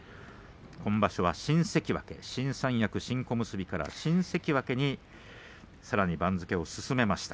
今場所は新関脇、新三役新小結から新関脇にさらに番付を進めました。